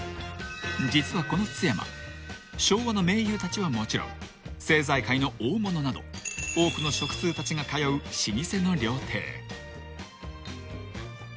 ［実はこの津やま昭和の名優たちはもちろん政財界の大物など多くの食通たちが通う老舗の料亭］